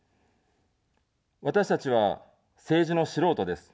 私たちは、政治の素人です。